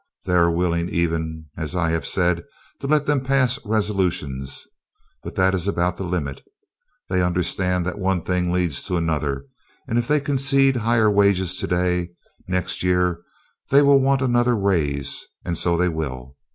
They are willing even, as I have said, to let them pass resolutions, but that is about the limit. They understand that one thing leads to another, and if they concede higher wages today, next year they will want another raise and so they will.